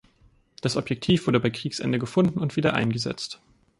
Das Objektiv wurde bei Kriegsende gefunden und wieder eingesetzt.